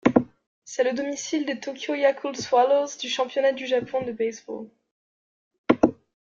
C'est le domicile des Tokyo Yakult Swallows du Championnat du Japon de baseball.